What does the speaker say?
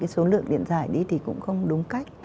số lượng điện giải đi thì cũng không đúng cách